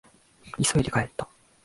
急いで帰った。